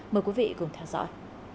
mời quý vị cùng theo dõi